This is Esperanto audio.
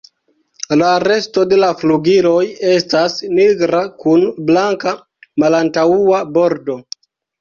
La resto de la flugiloj estas nigra kun blanka malantaŭa bordo.